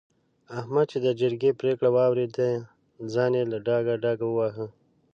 احمد چې د جرګې پرېکړه واورېده؛ ځان يې له ډاګه ډاګه وواهه.